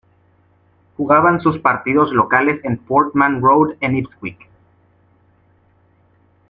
Jugaban sus partidos locales en Portman Road en Ipswich.